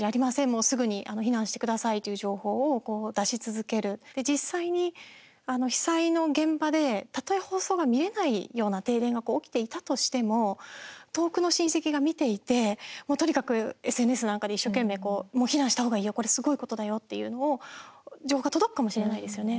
「もう、すぐに避難してください」という情報を出し続ける実際に被災の現場でたとえ放送が見れないような停電が起きていたとしても遠くの親戚が見ていてとにかくＳＮＳなんかで一生懸命もう避難した方がいいよこれすごいことだよっていうのを情報が届くかもしれないですよね。